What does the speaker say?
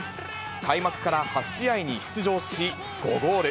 開幕から８試合に出場し、５ゴール。